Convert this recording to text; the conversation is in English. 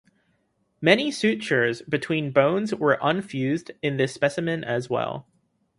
Many sutures between bones were unfused in this specimen as well.